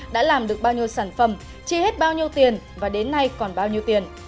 đã làm được bao nhiêu sản phẩm chi hết bao nhiêu tiền và đến nay còn bao nhiêu tiền